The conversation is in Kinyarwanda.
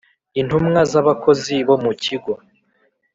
intumwa z abakozi bomu Kigo